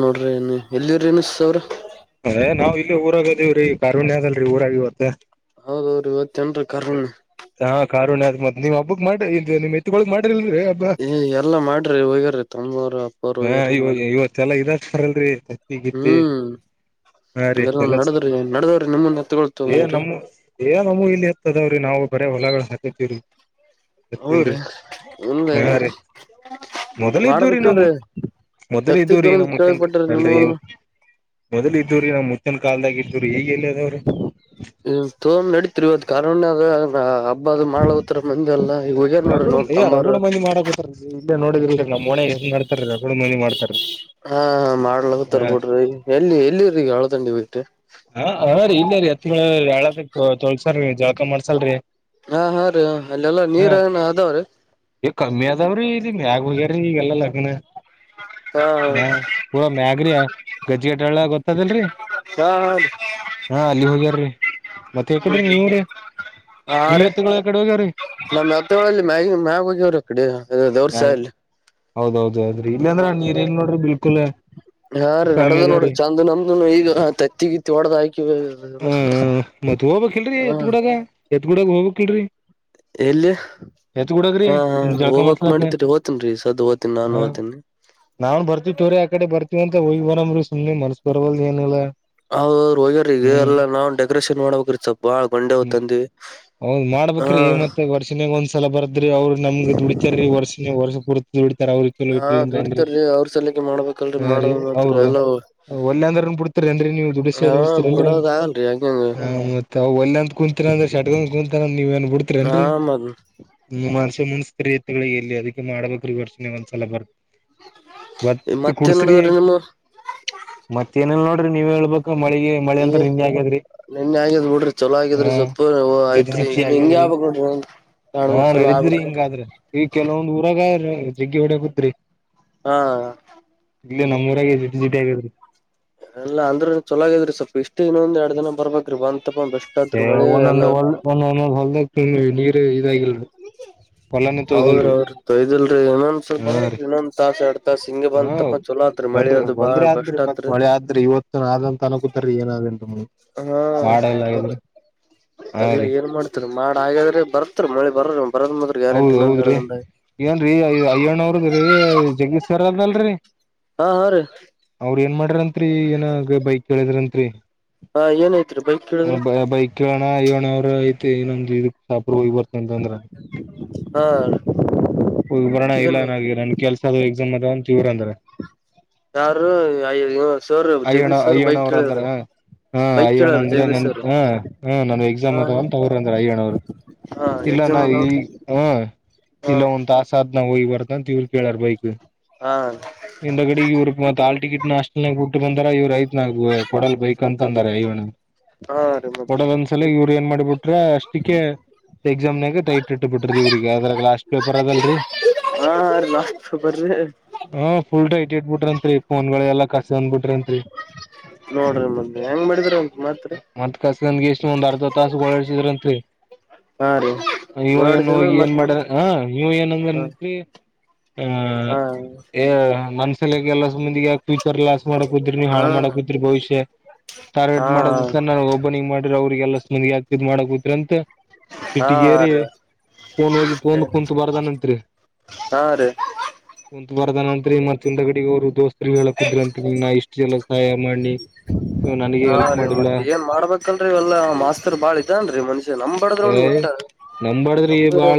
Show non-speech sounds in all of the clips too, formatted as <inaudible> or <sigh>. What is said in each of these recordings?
ನೋಡ್ರಿ ಏನ್ ಎಲ್ಲಿ್ರ ಏನುಿಸ ಅವ್ರ ಅದ ನಾವ್ ಇಲ್ಲಿ ಊರಾಗದೇವ್ರೀ ಕಣ್ಯ ಅದಲ್ರರಿ ಊರಾಗಿವತ್ತ ಹೌದ್ರರಿ ಇವತ್ತ ಏನ್ರ ಕರಣ ಕಾರಣತ್ ನೀ್ ಹಬ್ಬಕ್ ಮಾಡಿ ಇ ನಿಿತ್ತುಗ್ ಮಾಡಿಿಲ್ಲ ಏ ಎಲ್ಲಾ ಮಾಡ್ರಿ ಹೋಗ್ಯಾರಿ ತಂಬವ್ರ ಅಪ್ಪ ಅವರು ಹೋಗ್ಯಾರ ಮಾಡರಿ ಹರಲ್ರರಿ ತತ್ತಗಿತಿ ಇ ನಡದ್ರಿ ನಡದವ್ರಿ ನಿಮ್ಮನ್ ಎತ್ತಗೊಳ್ ಏ ತಗೋಗಿರಿ ನಮ್ಮ ಏ ನಮ ಇಲ್ಲಿ ಇರ್ತದಾವ್ರಿ ನಾವು ಬರೇ ಹೊಲಗಳು ಹಾಕೇತಿವ್ರರಿ ಹೌದ್ರಿ ಇಲ್ರಿ ಎ ಹರ ಮೊದಲ ಇದ್ದವ್ರೀ ನಮ್ಮ ಮಾಡದಕ್ಕಿಲ್ರಿ ಮೊದಲ ಇದವ ರೀ ಎತ್ತಿದ್ದು ಅಂತ ನಮ್ಮ ಕನ್ ಕೇಳಪಟ್ರಿ ನನ್ರಿ ನಿಮ್ಮವನ್ನು ಮೊದಲ ಇದವ್ರೀ ನಮ್ ಮುಚ್ಚಿನ ಕಾಲ್ದಾಗ ಇದ್ದವ್ರರಿ ಹೇಗ್ ಎಲ್ಲದವ್ರು ವ್ ಕಾರಣ ಅ ಹಬ್ಬ ಅದು ಮಾಡತ್ರ ರಗುಡು ಏ ರಗುಡು ಮಂದಿ ಮಾಡಕ ಇಲ್ಲೇ ನೋಡಿದಿಲ್ರಿ ನಮ್ ಮಡ್ತ ರಗು ಮಂದಿ ಮಾಡ್ತ <inaudible> ಹಾ ಮಾಡ್ಲಕ್ಕ ತರ್ಬಿಡ್ರಿ ಎಲ್ಲಿ ಎಲ್ಲಿರ ಈಗ ಹಳದಂಡಿ ಬಿಟ್ರಿ ಹ ಹ ರೀ ಇಲ್ಲ ರೀ ಹತ್ ಯಳ ತೋಳ್ಸಲ್್ರೀ ಜಳಕ ಮಾಡ್ಸಲ್ರಿ ಹಾ ಹಾ ರೀ ಅಲ್ಲೆಲ್ಲ ನೀರ ಏನ ಅದಾವ್ರೀ ಅದಾವರಿ ಇಲ್ಲಿ ಮ್ಯಾಘ ವಗರ ಗಲ್ಲ ಲಗನ ಹಾ ಪೂರ ಮ್ಯಾಗರಿೀ ಜೇಟಳ ಗೊತ್ತದಲ್ರರಿ ಹಾ ಹಾ ಹಾ ಅಲ್ಲಿ ಹೋಗ್ಯಾರಿ ಮತ್ತೆ ಯಕಡ್ರಿ ನೀವ್ರೀ ನಿಮ್ ಎತ್ತುಗಳ ಕಡೆ ಹೋಗ್ಯ್ರೀರಿ ನಮ್ಮ್ ಹತ್ತಲ್ಲಿ ಮ್ಯ ಮ್ಯಾಗ ಹೋಗ್ಯವರು ಕಡೆ ದೇವ್ರ ಸ ಅಲ್ಲಿ ಹೌದೌದ್ೌ್ರಿ ಇಲ್ಲಾಂದ್ರ ನೀರ್ ಏನ್ ನೋಡ್ರಿ ಬಿಲ್ಕುಲ್ ಹಾ ರೀ ಕಮ್ಮಿ ನಡ್ದ ನೋಡ್ರಿ ಅದಾವ್ರಿ ಚಾಂದ್ ನಮ್ದನು ಈಗ ತತ್ತಿಗಿತ್ತ ಹೊಡ್ದ ಹಾಕಿವವಿ ಹ ಮತ್ ಹೋಗ್ಕ್ ಇಲ್ರರಿ ಹ ಎತ್ ಗುಡಾಗ ಎತ್ ಗುಡಾಗ ಹೋಗ್ಕ್ಲ್ರರಿ ಎಲ್ಲಿ ಹಾ ಹಾ ಜಳಕ ಹೋಗ್ಕ್ ಮಾಡ್ಸ್ಲಕ ಮಾಡತಿರಿ ಹೋ್ತನ್ರೀ ಸದ ಹೋಗ್ತೀನಿ ನಾನನ್ ಹೋಗ್ತೀನಿ ನಾವ್ನ್ ಬರ್ತೀವಿ ತೋ್ರರಿ ಆ ಕಡೆ ಬರ್ತವ ಅಂತ ಹೋಗ್ ಬರಂಬ್ರ ಸು್ನೆ ಮನ್ಸ್ ಬರ್ವಲ್ದ ಏನಲ್ಲಾ ಅವರು ಒೋಗ್ಯಿಗೆ ಎಲ್ಲಾ ನಾವು ಡೆಕೋರೇಷನ್ ಮಾಡ್ಬೇಕಿರ್ತ ಬಾಳ ಗೊಂಡೆ ಹೋಗ್ ತಂದಿವವಿ ಹೌದ್ ಮಾಡ್ಬೇಕಕ್್ರೀ ಮತ್ತೆ ವರ್ಷಿನಾಗ ಒಂದ್ಸಲ ಬರದ್ರಿ ಅವ್ರು ನಮ್ಗೆ ದುಡಿತಾರೀ ವರ್ಷಿನಗ್ ವರ್ಷ ಪೂರ್ತಿ ಅವ್ರ ಹಾ ಕಲಬಟ್ಟಿಲ್ಲಂದ್ರ ಅಂಗ್ರೀ ದುಡಿತಾರೀ ಅವ್ರ ಸಲಕೆ ಮಾಡ್ಬೇಕಲ್ರರಿ ಹ ರೀ ಮಾಡದ ಮಾತ್ರ ಅವರು ಎಲ್ಲ ಒೆ ಅಂದ್ರನ್ ಬಿಡ್ತೀರಿ ಅ್ರೀ ನೀವು ದುಡಸ ದುಡತ ಕುಡ್ಯದಆಗಲ್ದು ಆಕಿಂದು ಮತ್ತ ಒಲ್ ಅಂತ ಕುೂಂತೀರ ಅಂದ್ರೆ ಶಟ್ಗ ಕುೂಂತರ ನೀವ ಏನ್ ಹಾ ಬಿಡ್ತೀರಿನ್ರಿಸ ಮತ್ ಮು್ಸ್ಕರಿಯ ಎಲ್ಲಿ ಅದಕ್ಕೆ ಮಾಡ್ಬೇಕ್ರೀ ವರ್ಷನೆೆ ಒಂದ್ಸಲ ಬತ್ತ ಗತ್ತ ಮತ್ತೇನ್ ಕುಡ್ಸ್ರಿ ನಡದವ್ರಿ ನಿಮ್ಮವು ಮತ್ತೇಏನ ನೋಡ ನೀವ್ ಹೇಳ್ಬೇಕ ಮಳಿ ಮಳ ಅಂತ ನಿಂ್ ಆಗ್ಯಾದ್ರಿ ನಿನ್ ಆಗಿದ್ ನ ಬಿಡ್ರಿ ಚೊಲೋ ಆಗಿದ್ರಿ ಹಾ ಸ್ೊಪ ಜಟಿ ಆಯ್ತ್ರಿ ಜಿಟಿ ಈಗ ಹಂಗ ಯ ಆಗ್ಯಾದ್ರಿ ಆಬಬೇಕಕ್ ನೋಡ್ರಿ ಎರಡ್ ಹಾ ಮೂರ್ ಸಲ ನಡಿದ್ರಿ ಆಗ್ಬೇಕ್ರಿ ಹಿಂಗಾದ್ರೆ ಈಗ ಕೆಲವೊಂದ್ ಊರಾಗ ಜಗ್ಗಿ ಹೊಡಕತ್ರಿ ಹಾ ಇಲ್ಲಿ ನಮ್ಮ್ೂಊಾಗ ಎಲಿಬಿಲಿಜಿಟಿ ಆಗದ್ರಿ ಅಲ್ಲ ಅಂದ್ರ ಚೊಲಾಗ ಇದ್ರಿ ಸ್ವಲ್ಪ ಇಷ್ಟ್ ಇನ್ನೊಂದ್ ಎರಡ್ ದಿನ ಬರ್ಬೇಕ್ರಿ ಬಂದ ಒಂದೊಂದು್ ಹೊಲ್ ಒಂದೊಂದೊಂದ್ ಹೊಲ್ದಗ್ತ ನೀರು ಇದಾಗಿಲ್ರಿ ಹೊಲಾನ ಅವ್ರ ತೊಯ್ದಿಲ್ರಿ ಅವ್ರ ತಯ್ದಲ್ರಿ ಇನ್ನೊಂದ ಸ್ವಲ್ ಬ ಇನ್ನೊಂದ ತಾಸ ಆಡ್ ಹ ಬಂದ್ರ ಬಂದ್ರ ಬಾಳ್ ಆದ್ರಿ ಬೆಸ್ಟ್ ಮತ್ತ್ ಆತ್ರಿ ಮಳೆ ಆದ್ರಿ ಇವತ್ತು ಆದಂತ ಅನಕೂತಾರ ಏನಾದ ತೆಂತನಿ ಹಾ ಹಾ ಎಲ್ಲ ರೀ ಏನ್ ಮಾಡ್ತಾರೆ ಮಾಡ ಹಾಗಾದ್ರೆ ಬರ್ತ್ರಿ ಮೋಳಿ ಬರ್ರರಿ ಉಂಟು ಹೌದ್ೌದ್ರಿ ಏನ್ರೀ ಅಯ್ಯಣ ಅವ್ರದ್ರೀ ಜಗೀಶ್ರ್ ಅಲ್ದಲ್ರರಿ ಹಾ ಹಾ ರೀ ಅವ್ರ ಏನ್ ಮಾಡ್ರಂತ್ರಿ ಏನಾಗ ಬೈಕ್ ಕೇಳಿದ್ರಂರಿ ಹಾ ಏನೈತ್ರಿ ಬೈಕ್ ಕೇಳಿದ್ರಿ ಬೈಕ್ ವೇಣ ಐೇಣ ಅವರ ಮತ್ತೆಏ ನಂದ್ ಇದಕ್ ಸಾಪ್ರ ಹೋಗಿ ಬರ್ತ ಅಂತ ಅಂದ್ರ ಹಾ ಹ ಬರೋಣ ಇಲ್ಲ ಏನ್ ನನಗೆ ನನ್ ಕೆಲ್ಸ ಆದ ಎಕ್ಸಾಮ್ ಅದ ಒ ಇವ್ರ ಅಂದ್ರೆ. ಯಾರು sir Ayyanna Jagadish sir Ayyanna bike ಅವ್ರ ಅಂದ್ರ ಕೇಳರು. ಹಾ ಅಯ್ಯರಣ್ಣ ಅಂದ್ರೆ ನನ್ ಹ ಹ ನನ್ ಎಕ್ಸಾಮ್ ಹಾ ಅದಂತಗ್ರ ಅಂದ್ರ ಅಯ್ಯರಣ ಅವ್ರು. ಇಲ್ಲ ಎಕ್ಸಾಮ್ ನಾ ಅದ ಈ ಹ ಹಾ ಇಲ್ಲ ಒಂತ ಆಸಾದ್ ನಾವು ಹಯ್ವ. ತ ತಿವಳ್ ಕೇಳಳಾರ ಬೈಕ್. ಹಾ ಎಂದ ಕಡೆ ಇವ ಆಾಳ್ ಟಿಕೆಟ್ ನಷ್ಟ ಅ ಇವ್ರು ಐತ್ನ ಕೊಡಲ್ ಬೇಕಕ್ ಅಂತ ಅಂದಾರೆ ಇವನ ಹಾ ರೀ ಒಡಗ ಮತ್ತ ಒಂದ್ಸಲ ಇವರು ಏನ್ ಮಾಡಿಬಿಟ್ರ ಅಷ್ಟಕ್ಕೆ ಎಕ್ಸಾಮ್ನಾಗ ತೈ ಇಟ್ ಇಟ್ಟ ಬಿಟ್ರಿ ಇವ್ರಿಗೆ ಅದ್ರಾಗ ಲಾಸ್ಟ್ ಪೇಪರ್ ಅದಲ್ರರಿ ಹಾ ಲಾಸ್ಟ್ ಪೇಪರ್ ರಿ <unintelligible> ಹಾ ಫುಲ್ ಟೈಟ್ ಇಟುಬೆಟೆಡರ್ ರಿ ಪೋನ್ ಗಳ ಕಸ್ಕೊಂಡ್ ಬಿಟ್ಟು <unintelligible> ನೋಡ್ರಿ ಮ ಮತ್ ಕಸಗನ್ಗೆ ಎಷ್ಟು ಒಂದ್ ಅರ್ಧ ತಾಸ ಓಳಾಡ್ಸಿದ್ರಂರಿ ಹಾ ರೀ ಇವು ಏನ್ ಗೋಡಸಣ ಹೋಗಿ ಏನ್ ಮತ್ ಮಾಡ ಹ ಇವು ಏನ್ ಹ ಅಂದತ್ರಿ ಹ ಹಾ ಹೇ ಮನ್ಸಲಿಗೆಲ್ಲ ಎಷ್ಟು ಮಾಡೇ ಯಾಕೆ ಫ್ಯೂಚರ್ ಲಾಸ್ ಮಾಡಕ ಹದ್ರಿ ಹಾಳ ಹಾ ಮಾಡಾಕದಿರಿ ಭವಿಷ್ಯ ಟಾರ್ಗೆಟ್ ಮಾಡೋದ ನ ಹಾ ಓಬನಿಂಗ ಮಾಡ್ರ ಅವ್ರಿಗೆ ಎಲ್ಲ ಮುಂದಿ ಯಾಕ್ತಿದ್ ಮಾಡಕೂತ್ರಿ ಅಂತ ಹಾ ಸಿಟಿಗೇರಿ ರೀ ಫೋನ್ ಹೋಗಿ ಫೋನ್ ಕುಂತು ಬಾರದನಂತ್ರಿ ಹಾ ರೀ ಬರದ ಅಂತ ರಿ ಮತ್ತ ಇಂದುಗಡೆ ಅವರು ದೋಸ್ತರು ಹೇಳ ಕುದ್ರ ಅಂತ ನೀ್ ನ ಇಷ್ಟು ಜನಾಗ ಸಹಾಯ ಮಾಡಿ ನೀ ಹಾ ರೀ ಮತ್ ಏನ್ ಮಾಡ್ಬೇಕಲ್ರರಿ ಇವೆಲ್ಲ ಮಾಸ್ತರ್ ಬಾಳ ಇದನ್ರೀ ಮನ್ಷ್ಯ ನಮ್ಮ್ ಏ ಬಾರದು ಒಟ್ಟ ನಂಬಾಡದ್ರಿ ನಮ ಬಾಳ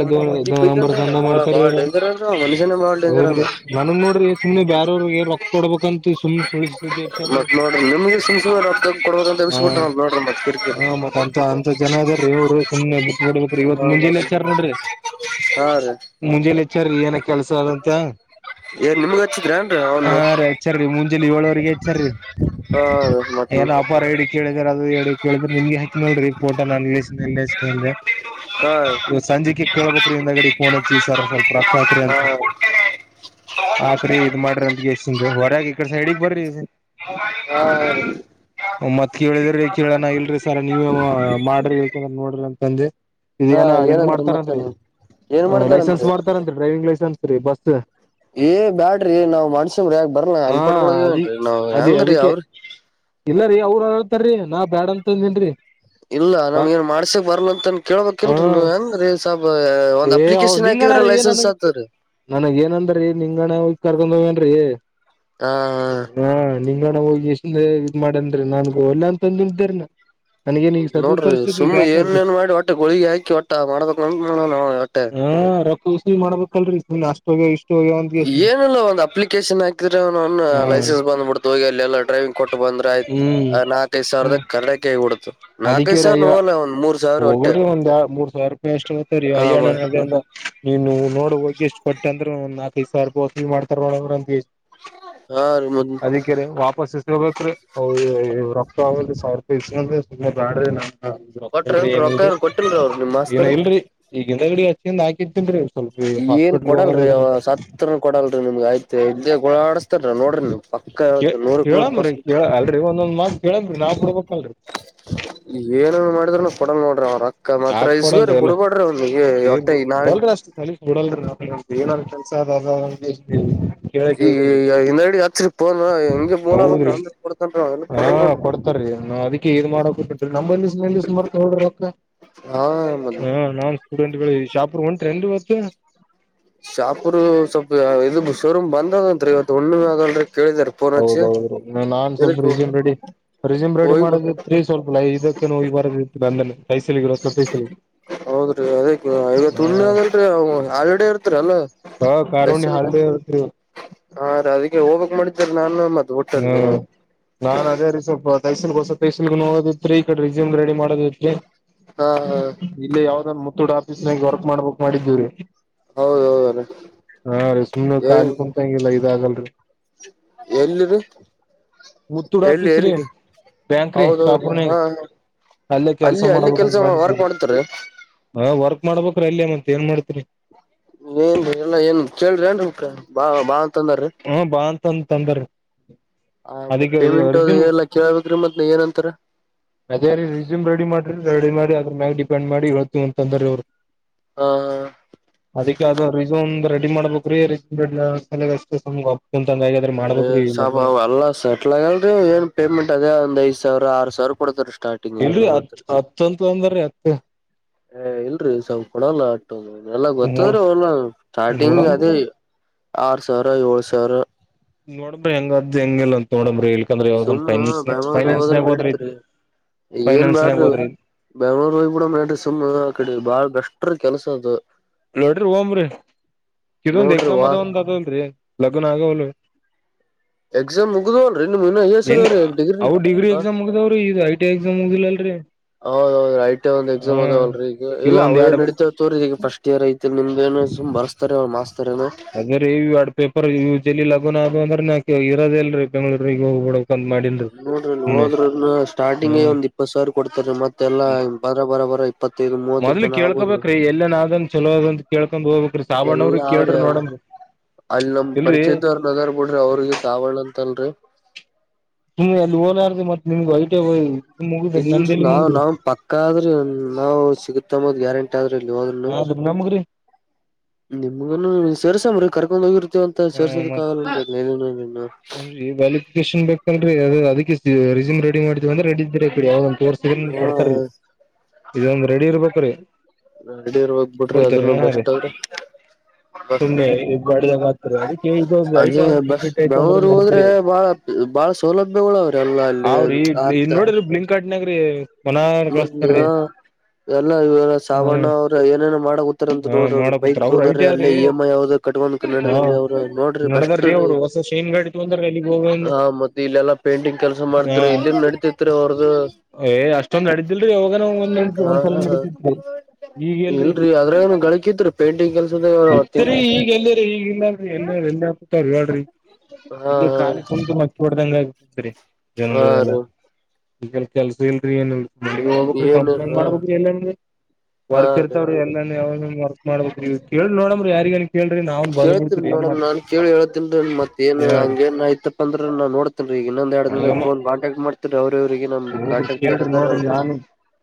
ದೋ ನಂಬರ್ ದಂದ ಬಾಳ ಮಾಡ್ತಾರಿ ಬಾಳ ಇವ್ರು ಡೇಂಜರ್ ಅಂದ ಮನುಷ್ಯನ ಬಾಳ ಡೇಂಜರ್ ಹೌದ್ರಿ ಅಂದ್ರ ನನಗ್ ನೋಡ್ರಿ ಸುಮ್ನೆ ಬಾರವ್ರರುಏ ರೊಕ್ಕ ಕೊಡ್ಬೇಕ ಅಂತ ಸು್ ಸುಿಸತ ಮತ್ ನೋಡ್ರಿ ನಿಮ್ಗೆ ಸುಮ್ ಸುಮ್ನೆ ರೊಕ್ಕ ಕೊಡ್ಬೇಕಂತ ಹ ಎಬ್ಬಿಸ್ಬಿಟ್ರ ನೋಡ್ರಿ ಮತ್ ಕಿರಿಕಿರಿ ಹಾ ಮತ್ತ ಅಂತ ಅಂತ ಜನ ಅದ ರೀ ಇವರು ಸುಮ್ನೆ ಬೇಟುಬೇಡಬೇಕು ರಿ ಇವತ್ತು ಮುಂಜೆ ಹೆಚ್ಚಾರ್ ನೋಡ್ರಿ ಹಾ ರೀ ಮುಂಜೆ ಹಚ್ಚರ ರಿ ಏನ ಕೆಲಸ ತ ಏನ್ ನಿಮ್ಗ್ ಹಚ್ಚಿದ್ರನ್ರಿ ಹಾ ಅವನು ರ ಹಚ್ಚರೇ ಮುಂಜಲಿ ಏಳವರೆಗೆ <unintelligible> ಹ ಏನೋ ಅಪಾರ ಡಿ ಕೇಳಿದ್ರ ಅದದು ಡಿ ಕೇಳಿದ್ರ ನಿನ್ಗೆ ಹಾಕಿನಲ್ರಿ ಫೋಟೋ ನಾನ ಹ್ಮ್ಮ್ ರಿ ಹಾ ಇ ಸಂಜಿಕೆ ಕೇಳ್ಬ್ರೀ ಹಿಂದ ಗಡಿ ಫೋನ್ ಹಚ್ಚ ಸರ್ ಸ್ವಲ್ಪ ರಕ್ಕ ಹಾಕ್ರಿ ಅಂತೆ ಆಕ್ರಿ ಇದ್ ಮಾಡ್ರಿ ಅಂತ ಎಷ್ಟಿಂದ ಹೊರಗ ಈ ಕಡೆ ಸೈಡಗ್ ಬರ್ರಿ ಹಾ <unintelligible> ಮತ್ ಕೇಳಿದ್ರಿ ಕೇಳಣ ಇಲ್ರಿ ಸರ್ ನೀವೇ ಮಾಡ್ರಿ ಹೇಕಂದ್ರ ನೋಡ್ರಿ ಅಂತಂದೆ ಹಾ ಏನೂ ಇದು ಏನಂದ್ರಿ ಮತ್ತೆ ಮಾಡ್ತಾರನ್ರಿ ನೀವ್ ಏನ್ ಲೈಸೆನ್ಸ್ ಮಾಡ್ತಾರಂತ್ರಿ ಮಾಡ್ತಾರನ್ರಿ ಡ್ರೈವಿಂಗ್ ಲೈಸೆನ್ಸ್ ರೀ ಬಸ್ ಏ ಬ್ಯಾಡ್ರಿ ನಾವ್ ಮಾಡ್ಸವ್ರಿ ಯ ಬರ್ಲ ಹಾ ಅನ್ಪಟ್ಗಳಳನ್ರಿ ನಾವ್ ಹೆಂಗ್ರೀ ಅವ್ರಿ ಇಲ್ಲ ರೀ ಅವ್ರು ಹರಳ್ತಾರೀ ನಾ ಬ್ಯಾಡ ಅಂತಂದೇನ್ರಿ ಇಲ್ಲಾ ನಮ್ಗ ಏನ್ ಮಾಡ್ಸಕ್ ಬರ್ಲ್ಲ ಅಂತನ್ ಕೇಳ್ಬೇಕಲ್ರರಿ ನೀವ ಹೆಂಗೀ ಏ ನಿಂಗಂಗಣ ರೀ ನನ ಲೈಸೆನ್ಸ್ ಆತರಿ ನನಗ ಏನಂದ್ರೀ ನಿಂಗಣ ಕರ್ಕೊಂಡ ಹೋಗವನ್ರಿ ಹ ಹ ನಿಂಗಣ ಹೋಗಿ ಎಷ್ಟ ಇದ ಮಾಡನ್ರಿರಿ ನನ್ಗೋಲ್ಲ ಅಂತಂದು್ದೇರನ ನೋಡ್ರಿ ಸುಮ್ಮ್ನೆ ಏನೇಏನ್ ಮಾಡಿ ಒಟ್ಟ ಗೋಳಿಗೆಿ ಹಾಕಿ ಒಟ್ಟ ಮಾಡದಕ್ ಹಾ ರೊಕ್ಕ ಉಸ ಮಾಡ್ಬೇಕಲ್ರರಿ ಅಷ್ಟೋಗ ಇಷ್ಟ ಹೋಗ್ಯಾವ ಅಂತ ಏನಲ್ಲ ಒಂದ್ ಅಪ್ಲಿಕೇಶನ್ ಹಾಕಿದ್ರೆ ಅವ ಆ ಹಾ ಲೈಸೆನ್ಸ್ ಬಂದಬ ಬಿಡ್ತು ಹೋಗಿ ಅಲ್ಲಿ ಎಲ್ಲ ಡ್ರೈವಿಂಗ್ ಕೊಟ್ಟ ಬಂದ್ರ ಆಯ್ತ್ ಹ್ಮ್ ನಾಲ್ಕೈಐ ಸುಮ್ ಸಾವರದ ಕಡೆ ಕೈಿ ಹುಡ್ತು ಅದಕ್ಕೆ ನಾಕೈದು ರೀ ಸಾವಿರ ನೋ ಅಯ್ಯ ಒಂದ ಹೋಗಲ್ರಿ ಒಂದ್ ಎ ಮೂರ್ ಸಾವಿರ ರೂಪಾಯಿ ಎಷ್ಟ ಹತ್ರೀ ಹ ಮ ಅಯ್ಯಾಣ ಅದಂದ ನೀನು ನೋಡ್ ಹೋಗಿ ಎಷ್ಟು ಕೊಟ್ಟ ಅಂದ್ರ ಒ ನಾಲ್ಕೈದು ಸಾವಿ ರೂಪ ವಸೂಲು ಮಾಡತ ನೋಡ್ರ ಅಂತ ಹಾ ರೀ ಅದಕ್ಕೆೇ ವಾಪಸ್ ರ್ಬೇಕ್ರೀ ಅವು ರೊಕ್ಕ ಆಗ ಸಾವರ ರೂಪಾಯಿ ಇಸ್ಂದ್ರ ಸುಮಾ ಬ್ಯಾಡ್ರಿ ನಾ ಹಲ್ರಿ ಕೊಟ್ರೇನ್ರಿ ಏನ್ ರೊಕ್ಕ ಇಲ್ರಿ ಕೊಟ್ಟಿಲ್ರಿ ಅವ್ರು ನಿಮ್ ಏನ ಮಾಸ್ತರ್ ಇಲ್ರರಿ ಈಗಿಿಂದ ಗಡ ಹಚ್ಚಿಂದ ಹಾಕಿತ್ತನ್ೀ ಏನ್ ಕೊಡಲ್ರರಿ ಸತ್ರ ಕೊಡಲ್ರಿ ನಿಮ್ಗೆ ಆಯ್ತ ಇ ಆಡಸ್ತಾರ ನೋಡ್ರಿ ನೀವ್ ಪಕ್ಕ ಕೆ ಹೇಳ್ತನ್ ನೂರಕ್ ನೂರ್ ಕೇಳಮ್ಮ್ರರಿ ಪರ್ಸೆಂಟ್ ಕೇಳ ಆಲ್ರೆಡಿ ಒಂದೊಂದ್ ಮಾತ್ ಕೇಳಂರೇ ನಾವವು ಕೂಡ್ಬೇಕಲ್ರಿ ಕೊಡ ನೋಡ್ರ ಅವ್ರ ರೊಕ್ಕ ಮಾತ್ರ ಯಾಕ್ ಕೊಡಲ್ರಿ ಇಸ್ಗೋರಿ ಎಲ್ಲ ಬಿಡ್ಬ್ಯಾಡ್ರಿ ಅವ್ನಿಗೆ ಏ ಒಟ್ಟ ಈ ನಾಳಿಗ್ ಬೋಲ್ರೆ ಅಷ್ಟ್ ಸಲಿ ಕೊಡಲ್ರಿ <unintelligible> ಕೆಲಸದದ <unintelligible> ಈ ಹಿಂದೆಡಿ ಹಚ್ರಿ ಪೋನ್ ಹೆಂಗೆ ಬೋಲಬೇಕ್ರ ಹೌದ್ರಿ ಅಂದ್ರ ಕೊಡತನ್ರಿ ಅವ ಇಲ್ಲ ಹಾ ಕೊಡಲ್ ನೋಡ್ರಿ. ಕೊಡ್ತಾರೀ ನಾವ್ ಅದಿಕ್ಕೆ ಇದ್ ಮಾಡೋಕು ಬಿಟ್ಟಿಲ್ಲ <unintelligible> ಮಾಡ್ತೋಡ್ರಿ ರೊಕ್ಕ ಹಾ ಮತ್ ಹಾ ನಾನ್ ಸ್ಟೂಡೆಂಟ್ಗಳೇ ಶಾಪುರ್ಗ್ ಹೊಂಟ್ರೇನ್ರಿ ಮತ್ತೆ. ಶಾಪುರು ಸ್ವಲ್ಪ ಇದು ಶೋರೂಮ್ ಬಂದ್ ಅದಂತ್ರಿ ಇವತ್ತು ಹುಣ್ಣಿಮೆ ಅದಲ್ರಿ. ಕೇಳಿದಾರ ಫೋನ್ ಹಚ್ಚಿ ಹೌದೌದು ನಾನ್ ಸ್ವಲ್ಪ ಎದಕ್ ರೆಸ್ಯೂಮ್ ರೆಡಿ ರೆಸ್ಯೂಮ್ ರೆಡಿ ಹೋಗಿ ಮಾಡೋದಿತ್ರಿ ಸ್ವಲ್ಪ ಇದಕ್ಕೆಲ್ಲ ಹೋಗಿ ಬರೋದಿತ್ರಿ ಅಲ್ಲಲ್ಲಿ ಕೈಸಲಿ <unintelligible> ಹೌದ್ರಿ ಅದಕೆ ಇವತ್ ಹುಣ್ಣಿಮೆ ಅದಲ್ರಿ ಹಾಲಿಡೆ ಇರ್ತರಿ ಅಲ್ಲ. ಹಾ ಕಾರುಣ್ಯ ಹಾಲಿಡೇ ಇರತ್ರಿ ಇವತ್ತ್. ಹಾ ರೀ ಅದಕ್ಕೆ ಹೋಬೇಕ್ ಮಾಡಿದ್ದೆ ರೀ ನಾನು ಅಮ್ಮ. ಹ್ಮ್ ನಾನ್ ಅದೇ ರೀ ಸ್ವಲ್ಪ <unintelligible> ಹೋಗೋದಿತ್ರಿ ಈಕಡೆ ರಿಸ್ಯೂಮ್ಗ್ ರೆಡಿ ಮಾಡೋದಿತ್ರಿ. ಹಾ ಇಲ್ಲೇ ಯಾವ್ದನ್ ಮುತ್ತೂಟ್ ಆಫೀಸ್ನಾಗ ವರ್ಕ್ ಮಾಡ್ಬೇಕ್ ಮಾಡಿದ್ದಿವ್ರಿ. ಹೌದೌದು ಹಾ ರಿ ಸುಮ್ನೆ ಖಾಲಿ ಕುಂತಂಗಿಲ್ಲ ಇದಾಗಲ್ರಿ. ಎಲ್ಲಿರಿ. ಮುತ್ತುಡ್ ಎಲ್ಲಿ ಆಫೀಸ್ ರೀ ಎಲ್ಲಿಗೆ ಬ್ಯಾಂಕ್ ರೀ ಹೌದೌದ್ರಿ ಶಾಪುರ್ನಾಗೇ. ಹಾ ಅಲ್ಲೇ ಕೆಲ್ಸ ಅಲ್ಲಿ ಅಲ್ಲಿ ಮಾಡ್ಬೇಕಂತ ಕೆಲ್ಸ ವರ್ಕ್ ಮಾಡಿದ್ದೇವ್ರಿ ಮಾಡ್ತಾರೀ ಹಾ ವರ್ಕ್ ಮಾಡ್ಬೇಕ್. ರಲ್ಲೇ ಮತ್ ಏನ್ ಮಾಡ್ತರಿ. ಏನ್ ಎಲ್ಲ ಏನ್ ಕೇಳ್ರಿ ಏನ <unintelligible> ಮುಕ್ಕ ಬಾ ಬಾ ಅಂತಂದಾರ್ರಿ. ಹ ಬಾ ಅಂತ ಅಂತ ಅಂದಾರ ಹಾ ಮತ್ ಅದಕ್ಕೆ ಪೇಮೆಂಟ್ ಅದು ರಿಸ್ಯೂಮ್ ಎಲ್ಲ ಕೇಳಬೇಕ್ರಿ ಮತ್ ಏನಂತಾರೆ. ಅದೇ ರೀ ರಿಸ್ಯೂಮ್ ರೆಡಿ ಮಾಡ್ರಿ ರೆಡಿ ಮಾಡಿ ಅದ್ರ್ ಮ್ಯಾಗ್ ಡಿಪೆಂಡ್ ಮಾಡಿ ಹೇಳ್ತಿನಿ ಅಂತಂದ್ರೀ ಅವ್ರು. ಹ ಅದಕ್ಕೆ ಅದು ರೆಸ್ಯೂಮ್ ಒಂದ್ ರೆಡಿ ಮಾಡ್ಬೇಕ್ರೀ. <unintelligible> ಹ್ಮ್ ಏ ಸಾಬ ಅವ ಅಲ್ಲಾ ಸೆಟ್ಲ್ ಆಗಲ್ರಿ ಏನ್ ಪೇಮೆಂಟ್ ಅದೇ ಒಂದ್ ಐದ್ ಸಾವಿರ ಆರ್ ಸಾವ್ ಯಾರ್ ಕೊಡ್ತಾರ್ರಿ. ಇಲ್ಲಿ ಹತ್ ಹತ್ತಂತ ಅಂದರ್ರಿ ಹತ್. ಇಲ್ರಿ ಸ್ವಲ್ಪ್ ಕೊಡಲ್ಲ ಅಟ್ಟೊಂದು ಎಲ್ಲ ಗೊತ್ತದ್ರೆ ಓನರ್ ಸ್ಟಾರ್ಟಿಂಗ್ ನೋಡಮ್ ಅದೇ ಆರ್ ಸಾವಿರ ಏಳ್ ಸಾವಿರ. ನೋಡ್ರಿ ಹೆಂಗದ್ ಹೆಂಗಿಲ್ಲ ಅಂತ ನೋಡಂಬ್ರಿ ಇಲ್ಕಂದ್ರೆ ಯಾವದನ್ ಸುಮ್ಮ್ ಬೆಂಗ್ಳೂರ್ ಟೈಮಿಂಗ್ಸ್ ಹೋದ್ರ ನಡೀತ್ರಿ ಐತ್ರಿ ಏನ್ ಫೈನಾನ್ಸ್ನಾಗ ಬ್ಯಾಡ್ರಿ ಹೋದ್ರಿ ಬೆಂಗ್ಳೂರ್ ಹೋಗ್ಬಿಡಮ್ ನಡ್ರಿ ಸುಮ್ಮ್ ಆ ಕಡೆ ಬಾಳ್ ಬೆಸ್ಟ್ ರೀ. ಕೆಲಸದು ನಡ್ರಿ ಹೊಂಬ್ರಿ ಇದೊಂದ್ ನೋಡ್ರಿ ಎಕ್ಸಾಮ್ ವಾ ಅದ ಒಂದ್ ಅದಲ್ರೀ ಲಗುನ ಆಗವಲ್ವೆ. ಎಕ್ಸಾಮ್ ಮುಗ್ದವಲ್ರರಿ ನಿಮ್ ಇನ್ನ ಎಸ್ ಅದಾವ್ರೀ ಎಲ್ಲಿಗಾ ಅವು ಡಿಗ್ರಿ ಹ ಎಕ್ಸಾಮ್ ಮುಗ್ದಾವ್ರೀ ಇದು ಐ ಟಿ ಐ ಎಕ್ಸಾಮ್ ಮುಗ್ದಿಲ್ಲ. <unintelligible> ಹೌದೌದು ಐ ಟಿ ಐ ಒಂದ್ ಎಕ್ಸಾಮ್ ಅದವಲ್ರಿ ಈಗ ಇವ ಇಲ್ಲ ಅವು ಒಂದ್ ಎರಡ್ ಏನ್ ನಡಿತಾವ್ ತೋರಿ ಈಗ ಫಸ್ಟ್ ಇಯರ್ ಐತ್ ನಿ ಬರೆಸ್ತಾರೆ ಅವ ಮಾಸ್ ಅದ ರೀ ಇಡ್ ಪೇಪರ್ ಇ ಜಲಿ ಲಗನ್ ಅದು ಅಂದ್ರೆಕೆ <unintelligible> ಇರೋದ ಅಲ್ರಿ ಬೆಂಗಗಳೂರಿಗೆಗ ಹೋಗಬಡ ನೋಡ್ರಿ ಅಲ್ಲ್ ಹೋದ್ರೆನೇ ಸ್ಟಾರ್ಟಿಂಗೇ ಒಂದ್ ಹ್ಮ್ ಇಪ್ಪತ್ತ್ ಸಾವಿರ ಕೊಡ್ತಾರೀ ಮತ್ತೆಲ್ಲ ಹಿಂಗ್ ಬರ ಬರ ಬರ ಇಪ್ಪತ್ತೈದು ಮೂವತ್ತರ ಮೊದ್ಲಿಗ್ ತನ ಆಗ್ಬೋದ್ರಿ ಕೇಳ್ಕೋಬೇಕ್ರೀ ಎಲ್ಲೇನಾದನ್ ಚಲೋದಂತ ಕೇಳ್ ಕೊಂಡ್ ಹೋಗ್ಬೇಕ್ರಿ ಸಾಬಣ್ಣವ್ರಿಗ್ ಕೇಳ್ರಿ ನೋಡಮ್. ಅಲ್ ನಮ್ ಪರಿಚಯದವ್ರ್ ಅದಾರ್ ಬಿಡ್ರಿ ಅವ್ರಿಗೆ ಸಾವಣ ಅಂತಲ್ರಿ. ಹ್ಮ ಅಲ್ಲಿ ಓಲಾಡ್ದ <unintelligible> ಮತ್ತತ್ ನಿಮ್ಗೆ ಐಟ ಹ ಇಲ್ರಿ ನಾವ್ ನಾವ್ ಪಕ್ಕ ಆದ್ರೆ ನಾವು ಸಿಗುತ್ತಂಬದ್ ಗ್ಯಾರಂಟ್ <unintelligible> ಇಲ್ಲಿ ಹದ್ರ ಆದ್ರ ನಮಗ್ರಿ <unintelligible> ನಿಮಗ ಸೇರ್ಸ್ರ ಕರ್ಕೊಂಡ್ ಹೋಗಿರ್ ಅಂತ ಸೋರಿಸಸದಕ್ಕ ಆಗಲ್ಲ ಉಂಟನು <unintelligible> ಏನ್ರೀ ವ್ಯಾಲಿಫಿಕೇಶನ್ ಬೇಕಲ್ರಿ ಅದ್ ಅದಕ್ಕೆ ರಿಸ್ಯೂಮ್ ರೆಡಿ ಮಾಡಿದ್ದಿವಂದ್ರ ರೆಡಿ ಇದ್ರೆ <unintelligible> ಕೋರ್ಸಿಗೆ ನಿಮ್ಗ್ ಹಾ ಕೊಡ್ತಾರೀ ಇದೊಂದ್ ರೆಡಿ ಇರ್ಬೇಕು ರೀ. ಎಲ್ಲಾ ರೆಡಿ ಇರ್ಬೇಕು ಬಿಡ್ರಿ ಅದನು ಬೆಸ್ಟ್ ಅಂದ್ರೆ. ಸುಮ್ಮ್ನೆ ಇ ಬಡ್ದ ಮಾತ್ ಅದಕ್ಕೆ ಇದೊಂದು ಅದೇ ಐಟಿಯ ಒ ಬಸ್ ಕಂಪ್ಲೀಟ್ ಆಯತು ಬೆಂಗಳೂರ್ ಹೋದ್ರೆ ನಡತ್ಿ ಬಾಳ ಬಾಳ ಸೌಲಭ್ಯಗಳು ಅವ್ರಿ ಎಲ್ಲ ಅಲ್ಲಿ ಅವ್ರಿ ಆತ್ತ ನೋಡಿ ಬ್ಲಿಂ ಆಡ್ಾಗ ಮನ ಮತ್ ಕಳಿಸಸ್ತಾರೀ ಎಲ್ಲ ಇ ಸಾವಣ್ಣ ಅವ್ರ ಏನೇನ ಮಾಡಕತಾರೆ ಅಂತ ಹ ನೋಡ್ರಿ ಅವ್ರಗ್ ಬೈಕ್ ಮಾಡಕೂತಾರ ಅವ್ರ ತಗಂದ್ರ ಐಟಿ ಅಲ್ಲ ಅವ್ರಿ ಇ ಎಂ ಐ ಯಾವದ ಕಟ್ಕಕ್ ಹ ನಡದ್ರೀ ಅವ್ರು ನೋಡ್ರಿ ಬೆಸ್ಟ್ ನೋಡದಾರ್ರೀ ಅವ್ರು ಹೊಸ ಶೈನ್ ಗಾಡಿ ತಗೊಂಡಾರ ಎಲ್ಲಿಗ್ ಹೋಗ ಹಾ ಮತ್ತೆ ಇಲ್ಲೆಲ್ಲಾ ಪೇಂಟಿಂಗ್ ಕೆಲ್ಸ ಮಾಡಿದ್ರಿ ಇಲ್ಲಿನ್ ನಡತತ್ರಿೀ ಹೊರ್ದ ಏ್ ಅಷ್ಟೊಂದ್ ನಡಿದಿಲ್ರರಿ ಯೋಗನ ಒಂದ ನಡ ಹಾ ಒಂದ್ಸಲ ನಡೀತಿತ್ರಿ ಈಗ ಎಲ್ರಿ ಇಲ್ರರಿ ಅದ್ರಾಗನು ಗಳಿಕಿತ್ರಿ ಪೇಂಟಿಂಗ್ ಕೆಲ್ಸದ ತಿಂಗ ಇರಿ ಈಗಲ್ದರಿ ಈಗಲ್ಲಲ್ರಿ ಎಲ್ ಎ ಹಾ ಇಲ್ಲ ಹಾ ಖಾಲಿ ಕುಂತು ಮಚ್ಚಿ ಹೊಡ್ದಂಗ ಆಗ್ತತ್ರಿ ಹಾ ಜನಗಳೆಲ್ಲ ರೀ ಈಗ ಕೆಲ್ಸ ಇಲ್ರಿ ಏನ್ರಿ ಮಗೆ ಹೋಗ್ಬೇಕ್ರೀ ಏನು ಕಂಪ್ಲೇಂಟ್ ಹಾ ಮಾಡ್ಬೇಕ ಎಲ್ಲಂದ ಹಾ ವರ್ಕ್ ರೀ ಇರ್ತಾವ್ರೀ ಎಲ್ಲಂದ ಯಾವ ವಕ್ ಮಾಡಬ್ರ ಕೇಳಿ ನೋಡ್ರಿ ಯಾರಿಗನ ಕೇಳ್ತರು ಮೇಡಮ ನಾನು ಕೇಳಿ ಎಳಳ್ತಿದ್ದೆ ಮತ್ತ ಏನ್ ಹೇಳ್ರಿ ಹಂಗೇನ್ಯಐತಪ್ಪ ಅ್ರ ನಾ ನೋಡ್ತನ್ೀ ಈಗ ಇನ್ನೊಂದ ಎರ ದ ೋನ್ ಕಾಂಟಕ್ ಮಾಡ್ತೀಿ ಹ ಕೇಳ್ರಿ ನೋಡ್ರಿ ನಾನು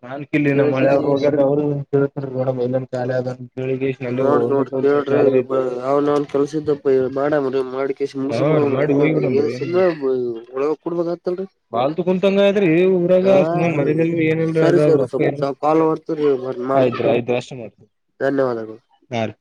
ನಾನ್ಕ ಇಲ್ಲಿಿನ ಮಳೆ ಕೇಳ್ಕೇಸಿ ಹೋಗ ಅವ್ರುೇತ ನೋಡಮ್ ಇಲ್ಲನ್ ಖಾಲಿ ಆದಿ ನೋಡಿ ನೋಡ ಕೇಳ್ರಿ ಅವ್ನ ಅವ್ನ್ ಕೆಲ್ಸ ಇದಪ್ಪ ಮಾಡವ್ರ ಮಾಡ್ ಕಸ ಹಾ ಮುಗಸ ಬಿಡವ್ರ ಮಾಡಿ ಹೋಗಿ ಏ ಬಿಡಮ್ರಿ ಏನ್ ಒಳಗ ಕೊಡ್ಬೇಕ ಆತ್ತಲ್ರರಿ ಮಾಲ್ತುಂತಂಗ ಊರಾಗ ಸು ಮನ ರೀ ಏನಲ್ರೀ ಸರಿ ಅದ ಸರಿ ರೊರಿಯ್ ಸ್ವಲ್ಪ ಕಾಲ್ ಬರ್ತದ್ರಿ ಮಾಡ್ತೀನಿ ಧನ್ಯವಾದಗಳು ಯಾರ